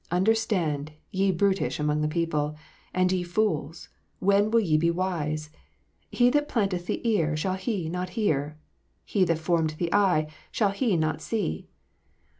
Understand, ye brutish among the people : and ye fools, when will ye be wise 1 He that planted the ear, shall He not hear? He that formed the eye, shall He not see?"